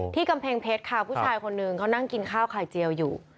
กำแพงเพชรค่ะผู้ชายคนหนึ่งเขานั่งกินข้าวไข่เจียวอยู่